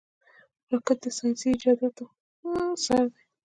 راکټ د ساینسي ایجاداتو سر دی